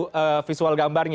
bu visual gambarnya